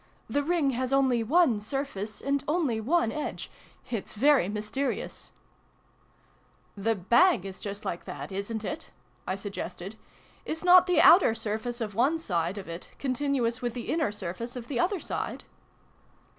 " The Ring has only one surface, and only one edge. It's very mysterious !"" The bag is just like that, isn't it ?" I sug gested. "Is not the outer surface of one side of it continuous with the inner surface of the other side